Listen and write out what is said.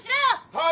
はい！